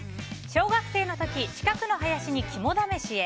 小学生の時、近くの林に肝試しへ。